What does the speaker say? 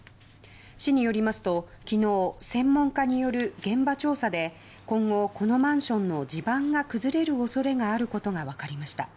市によりますと昨日、専門家による現場調査で今後、このマンションの地盤が崩れる恐れがあることが分かりました。